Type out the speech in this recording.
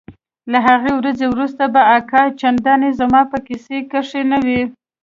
له هغې ورځې وروسته به اکا چندانې زما په کيسه کښې نه و.